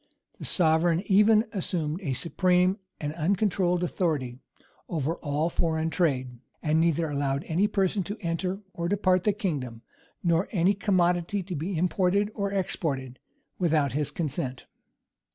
[] The sovereign even assumed a supreme and uncontrolled authority over all foreign trade; and neither allowed any person to enter or depart the kingdom, nor any commodity to be imported or exported, without his consent.